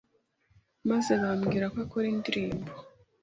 maze bambwira ko akora indirimbo